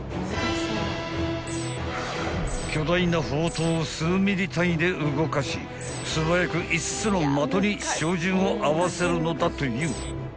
［巨大な砲塔を数ミリ単位で動かし素早く５つの的に照準を合わせるのだという］